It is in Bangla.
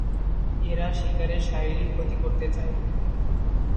এরা শিকারের শারীরিক ক্ষতি করতে চায়।